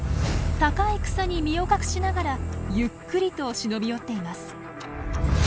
高い草に身を隠しながらゆっくりと忍び寄っています。